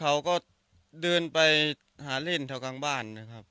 หลังครั้งเขาก็เดินไปหาเล่นแถวกลางบ้านนะครับ